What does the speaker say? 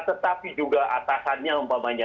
tetapi juga atasannya umpamanya